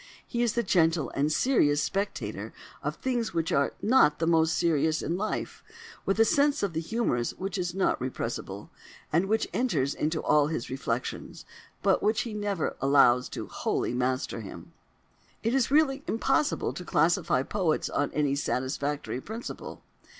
He is the gentle and serious spectator of things which are not the most serious in life—with a sense of the humorous which is not repressible, and which enters into all his reflections, but which he never allows wholly to master him. It is really impossible to classify poets on any satisfactory principle.